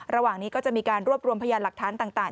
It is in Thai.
ระหว่างนี้ก็จะมีการรวบรวมพยานหลักฐานต่าง